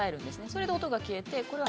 それで音が消えて。